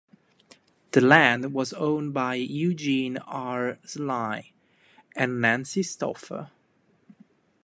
The land was owned by Eugene R. Sly and Nancy Stauffer.